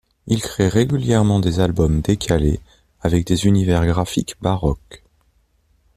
Il crée régulièrement des albums décalés avec des univers graphiques baroques.